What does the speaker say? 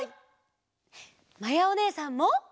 まやおねえさんも！